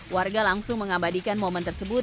warga langsung mengabadikan momen tersebut